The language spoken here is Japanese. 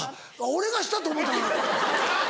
俺がしたと思うた。